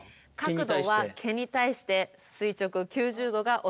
角度は毛に対して垂直９０度がおすすめです。